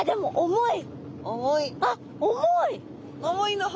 重い！